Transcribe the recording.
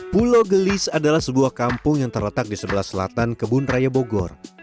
pulau gelis adalah sebuah kampung yang terletak di sebelah selatan kebun raya bogor